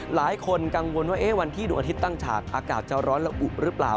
หลายคนกังวลว่าวันที่ดวงอาทิตย์ตั้งฉากอากาศจะร้อนละอุหรือเปล่า